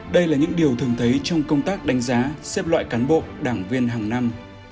đây là những điều thường thấy trong công tác đánh giá xếp loại cán bộ đảng viên hàng năm